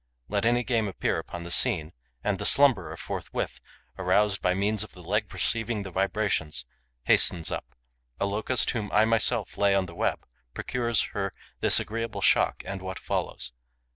Let any game appear upon the scene; and the slumberer, forthwith aroused by means of the leg receiving the vibrations, hastens up. A Locust whom I myself lay on the web procures her this agreeable shock and what follows.